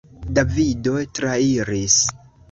Davido trairis.